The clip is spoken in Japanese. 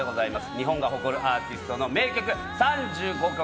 日本が誇るアーティストの名曲３５曲。